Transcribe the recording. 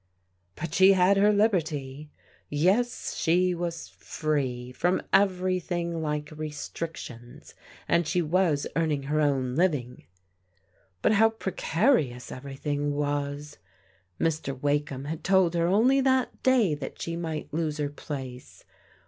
But she had her liberty! Yes, she was free from everything like restrictions, and she was earning her own living. But how precarious everything was ! Mr. Wake ham had told her only that day that she might lose her place.